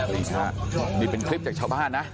นี่ฮะนี่เป็นคลิปจากชาวบ้านนะ